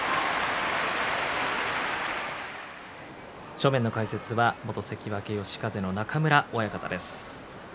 正面の解説は元関脇嘉風の中村親方です。